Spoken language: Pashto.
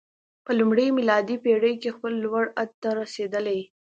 په لومړۍ میلادي پېړۍ کې خپل لوړ حد ته رسېدلی.